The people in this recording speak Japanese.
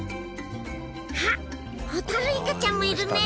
あっホタルイカちゃんもいるね。